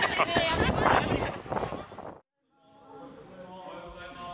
おはようございます。